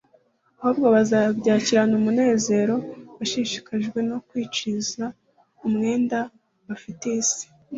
ahubwo bazabyakirana umunezero. Bashishikajwe no kwikiza umwenda bafitiye isi,